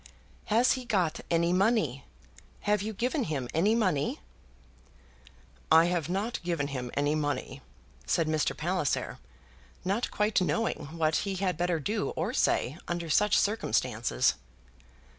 "Has he got any money? Have you given him any money?" "I have not given him any money," said Mr. Palliser, not quite knowing what he had better do or say under such circumstances.